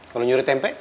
kalau nyuri tempe